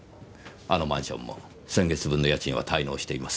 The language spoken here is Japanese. あのマンションも先月分の家賃は滞納しています。